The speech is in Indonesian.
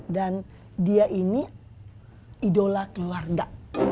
dan dia ini idola keluarga